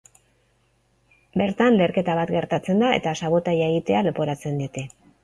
Bertan, leherketa bat gertatzen da eta sabotaia egitea leporatzen diete.